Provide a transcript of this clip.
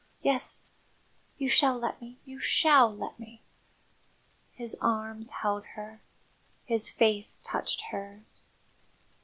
Yes, you shall let me; you shall let me." His arms held her, his face touched hers.